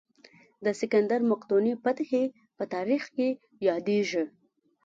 د سکندر مقدوني فتحې په تاریخ کې یادېږي.